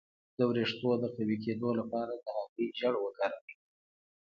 د ویښتو د قوي کیدو لپاره د هګۍ ژیړ وکاروئ